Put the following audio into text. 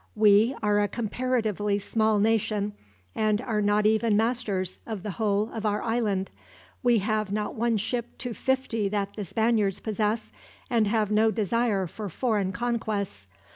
We are a comparatively small nation, and are not even masters of the whole of our island. We have not one ship to fifty that the Spaniards possess, and have no desire for foreign conquests.